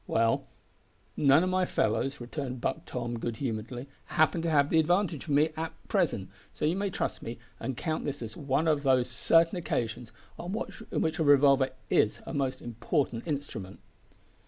"Well, none of my fellows," returned Buck Tom good humouredly, "happen to have the advantage of me at present, so you may trust me and count this as one o' the `certain occasions' on which a revolver is a most important instrument."